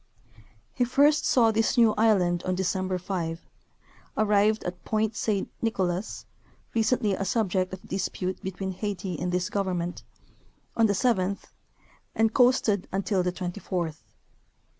He first saw this new island on December 5 ; arrived at Point Saint Nicolas (recently a subject of dispute between Haiti and this government) on the seventh, and coasted until the twenty fourth.